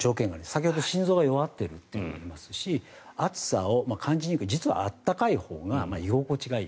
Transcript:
先ほどの心臓が弱っているというのもあるし暑さを感じにくい実は暖かいほうが居心地がいい